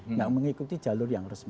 tidak mengikuti jalur yang resmi